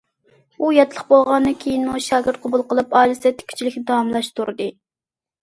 ئۇ ياتلىق بولغاندىن كېيىنمۇ، شاگىرت قوبۇل قىلىپ، ئائىلىسىدە تىككۈچىلىكنى داۋاملاشتۇردى.